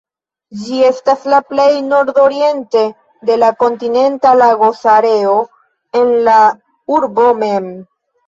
Ĝi estas plej nordoriente de la Kontinenta Lagosareo en la urbo mem.